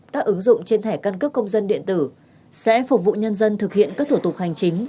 các ứng dụng trên thẻ căn cước công dân điện tử sẽ phục vụ nhân dân thực hiện các thủ tục hành chính